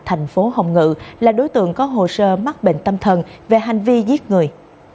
thành phố hồng ngự là đối tượng có hồ sơ mắc bệnh tâm thần về hành vi giết người